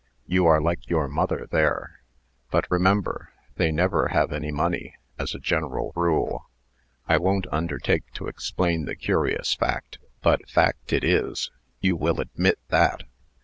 You are like your mother there. But remember, they never have any money as a general rule. I won't undertake to explain the curious fact. But fact it is, you will admit that."